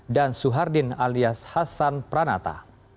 dan suhardin alias hasan pranata